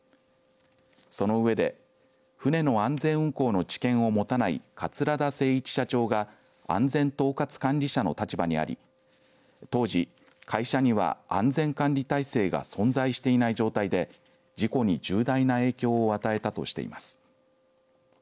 その上で船の安全運航の知見を持たない桂田精一社長が安全統括管理者の立場にあり当時、会社には安全管理体制が存在していない状態で事故に重大な影響を与えたとしています。